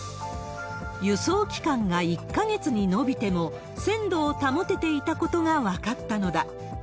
輸送期間が１か月に延びても、鮮度を保てていたことが分かったのだ。